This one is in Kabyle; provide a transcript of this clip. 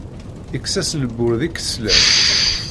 Ikkes-as lbur d lkeslan.